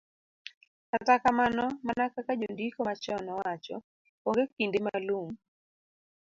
Kata kamano, mana kaka jondiko machon nowacho, onge kinde ma lum